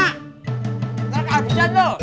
kita kehabisan tuh